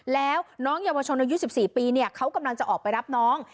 แล้วน้องเยาวชนอายุสิบสี่ปีเนี้ยเขากำลังจะออกไปรับน้อง